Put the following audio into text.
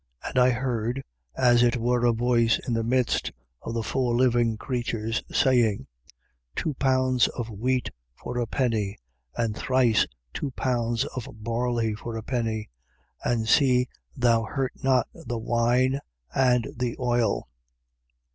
6:6. And I heard, as it were a voice in the midst of the four living creatures, saying: Two pounds of wheat for a penny, and thrice two pounds of barley for a penny: and see thou hurt not the wine and the oil.